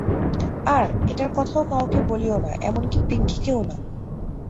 আর, এটার কথাও কাউকে বলিও না, এমনকি পিঙ্কিকেও না।